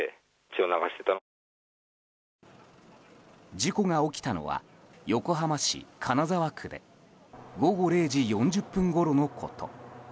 事故が起きたのは横浜市金沢区で午後０時４０分ごろのこと。